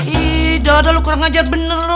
ih dada lu kurang ajar bener lu